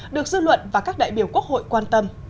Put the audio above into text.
được dư luận và các đại biểu quốc hội quan tâm